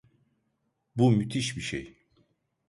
Bu müthiş bir şey.